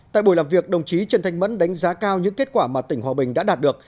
tại buổi làm việc đồng chí trần thanh mẫn đánh giá cao những kết quả mà tỉnh hòa bình đã đạt được